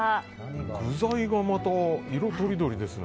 具材がまた、色とりどりですね。